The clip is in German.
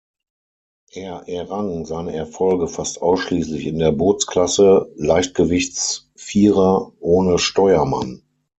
Er errang seine Erfolge fast ausschließlich in der Bootsklasse Leichtgewichts-Vierer ohne Steuermann.